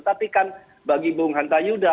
tapi kan bagi bung hanta yuda